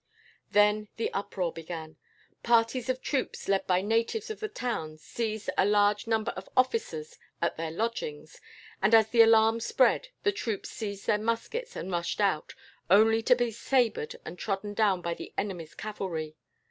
"Then the uproar began. Parties of troops, led by natives of the town, seized a large number of officers at their lodgings; and as the alarm spread, the troops seized their muskets and rushed out, only to be sabred and trodden down by the enemy's cavalry.